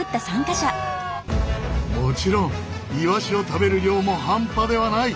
もちろんイワシを食べる量も半端ではない！